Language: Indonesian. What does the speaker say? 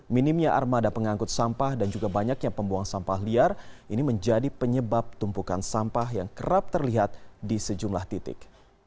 minimnya armada pengangkut sampah dan juga banyak yang pembuang sampah liar ini menjadi penyebab tumpukan sampah yang kerap terlihat di sejumlah titik